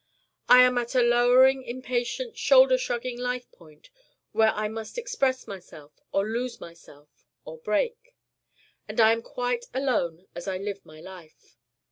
I am at a lowering impatient shoulder shrugging life point where I must express myself or lose myself or break. And I am quite alone as I live my life.